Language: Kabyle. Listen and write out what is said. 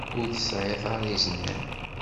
Ur tesɛiḍ ara iznan.